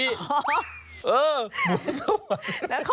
เออหมูสวรรค์